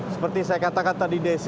seperti saya katakan tadi desi